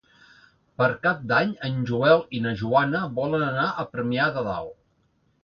Per Cap d'Any en Joel i na Joana volen anar a Premià de Dalt.